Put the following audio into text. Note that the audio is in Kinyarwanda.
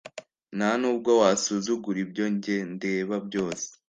Nta nubwo wasuzugura ibyo nge ndeba byose